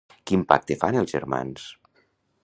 Quin pacte fan els germans?